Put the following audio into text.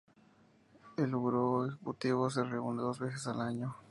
El Buró Ejecutivo se reúne dos veces al año.